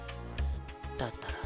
だったら。